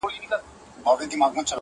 ډېر پخوا په ولايت کي د تاتارو!.